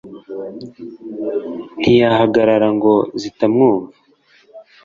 ntiyahagarara ngo zitamwumva